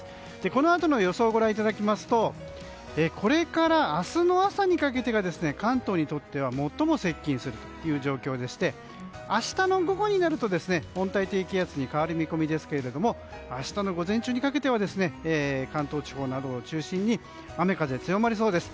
このあとの予想をご覧いただきますとこれから明日の朝にかけてが関東にとっては最も接近するという状況でして明日の午後になると温帯低気圧に変わる見込みですが明日の午前中にかけては関東地方などを中心に雨風強まりそうです。